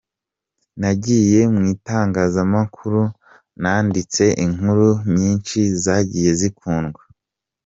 Nagiye mu itangazamakuru nanditse inkuru nyinshi zagiye zikundwa.